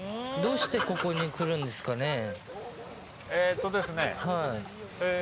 どうしてここに来るんですかね。